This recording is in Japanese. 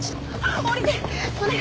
降りてお願い。